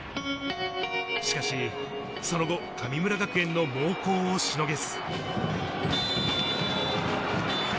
しかしその後、神村学園の猛攻をしのげず。